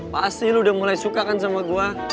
pasti lo udah mulai suka kan sama gua